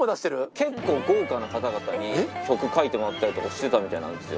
結構、豪華な方々に曲書いてもらったりしてたみたいなんですよ。